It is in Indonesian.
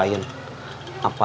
saya mau diapain